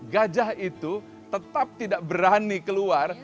gajah itu tetap tidak berani keluar